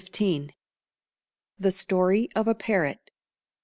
] THE STORY OF A PARROT.